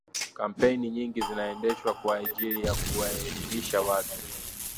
kampeini nyingi ziliendeshwa kwa ajiri ya kuwaelimisha watu